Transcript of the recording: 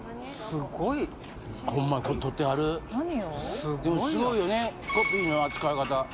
すごいよねコピーの扱い方。